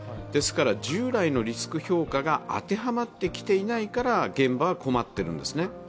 ですから、従来のリスク評価が当てはまってきていないから現場は困ってるんです。